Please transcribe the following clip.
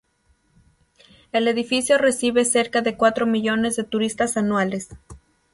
El edificio recibe cerca de cuatro millones de turistas anuales.